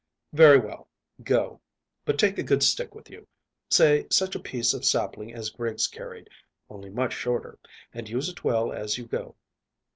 "Very well, go. But take a good stick with you say such a piece of sapling as Griggs carried, only much shorter, and use it well as you go."